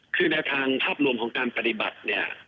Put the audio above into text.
คือแนวทางภาพรวมของการปฏิบัติเนี่ย